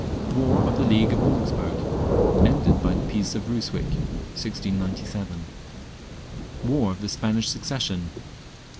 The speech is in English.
War of the League of Augsburg. Ended by the Peace of Ryswick, 1697. War of the Spanish Succession.